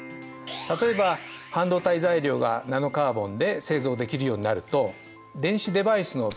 例えば半導体材料がナノカーボンで製造できるようになると電子デバイスの微小化